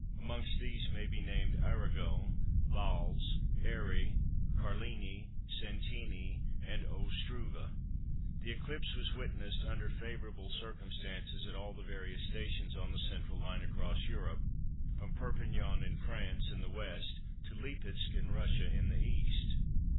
Amongst these may be named Arago, Valz, Airy, Carlini, Santini, and O. Struve. The eclipse was witnessed under favourable circumstances at all the various stations on the central line across Europe, from Perpignan in France in the West to Lipesk in Russia in the East.